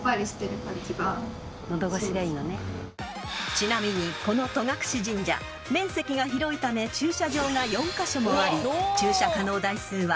［ちなみにこの戸隠神社面積が広いため駐車場が４カ所もあり駐車可能台数はおよそ３２０台］